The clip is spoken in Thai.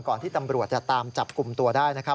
ที่ตำรวจจะตามจับกลุ่มตัวได้นะครับ